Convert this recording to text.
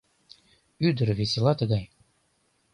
Ӱдыр весела тыгай